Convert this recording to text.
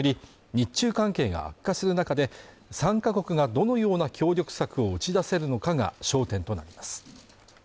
日中関係が悪化する中で３か国がどのような協力策を打ち出せるのかが焦点となります